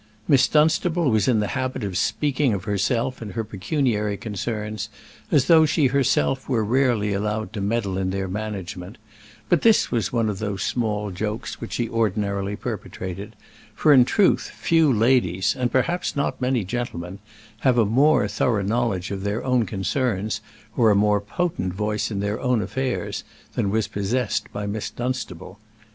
Miss Dunstable was in the habit of speaking of herself and her own pecuniary concerns as though she herself were rarely allowed to meddle in their management; but this was one of those small jokes which she ordinarily perpetrated; for in truth few ladies, and perhaps not many gentlemen, have a more thorough knowledge of their own concerns or a more potent voice in their own affairs, than was possessed by Miss Dunstable.